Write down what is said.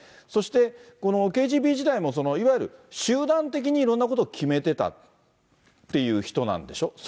そして、このＫＧＢ時代もいわゆる集団的にいろんなことを決めてたっていう人なんでしょ？